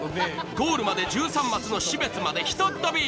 ゴールまで１３マスの士別までひとっ飛び！